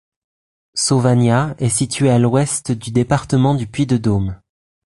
Sauvagnat est située à l'ouest du département du Puy-de-Dôme.